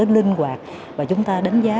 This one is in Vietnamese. linh hoạt và chúng ta đánh giá